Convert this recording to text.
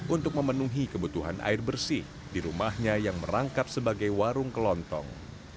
untuk memenuhi kebutuhan air bersih di rumahnya yang merangkap sebagai warung kelontong